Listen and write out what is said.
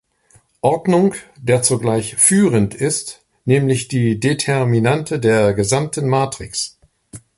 Ordnung, der zugleich "führend" ist, nämlich die Determinante der gesamten Matrix.